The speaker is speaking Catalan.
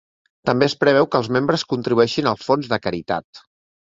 També es preveu que els membres contribueixin al Fons de Caritat.